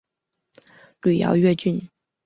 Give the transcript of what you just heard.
属绥越郡。